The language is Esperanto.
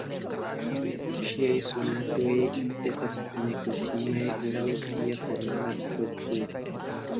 Ŝiaj sonatoj estas nekutimaj laŭ sia formala strukturo.